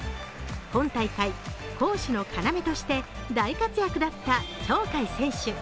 今大会、攻守の要として大活躍だった鳥海選手。